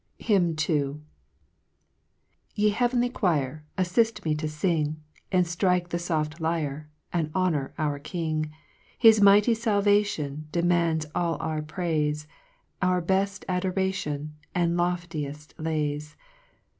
HYMN II. 1 ~\7^E heavenly choir, Aflift me to fing, JL Andttrike thefof't lyre, And honour our King ; Hia mighty ialvatiou, Demands all our praifc, Our bell adoration. And lofticli lays.